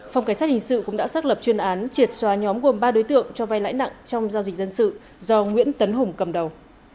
phòng cảnh sát hình sự cũng đã xác lập chuyên án triệt xóa nhóm gồm ba đối tượng cho vai lãi nặng trong giao dịch dân sự do nguyễn tấn hùng cầm đầu